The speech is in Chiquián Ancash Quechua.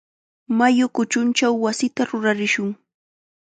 Mayu kuchunchaw wasita rurarishun.